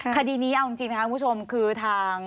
คดีนี้เอาจริงนะครับคุณผู้ชมคือทาง